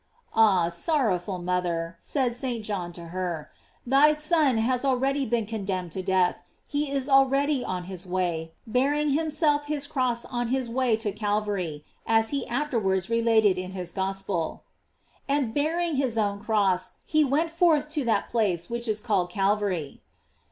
* Ah, sorrowful mother; said St. John to her, thy Son has already been condemned to death, lie is already on his way, bearing himself kis cross on his way to Calvary, as he afterwards related in his Gospel: "And bearing his own cross he went forth to that place which is called Calvary."